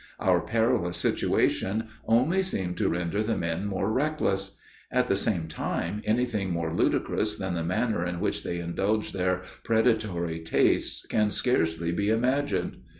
Our perilous situation only seemed to render the men more reckless. At the same time, anything more ludicrous than the manner in which they indulged their predatory tastes can scarcely be imagined.